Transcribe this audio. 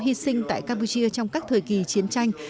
hy sinh tại campuchia trong các thời kỳ chiến tranh